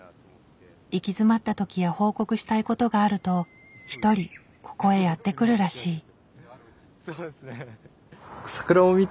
行き詰まった時や報告したいことがあると１人ここへやって来るらしい。